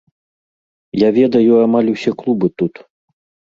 Я ведаю амаль усе клубы тут.